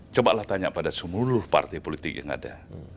coba lah tanya pada sepuluh partai politik yang ada